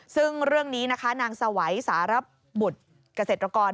ซึ่งเรื่องนี้นะคะนางสวัยสารบุตรเกษตรกร